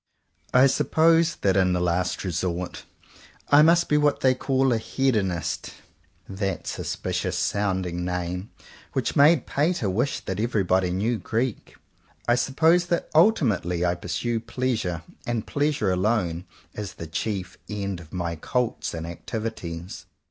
63 CONFESSIONS OF TWO BROTHERS I suppose that, in the last resort, I must be what they call a Hedonist, — that sus picious sounding name which made Pater wish that everybody knew Greek. I sup pose that, ultimately, I pursue Pleasure — and Pleasure alone — as the chief end of my cults and activities.